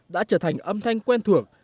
đã trở thành âm thanh quen thuộc